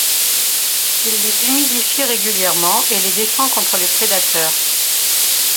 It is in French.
Il les humidifie régulièrement et les défend contre les prédateurs.